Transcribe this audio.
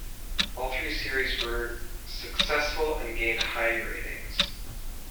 All three series were successful and gained high ratings.